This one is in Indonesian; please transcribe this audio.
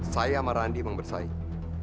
saya sama randi mau bersaing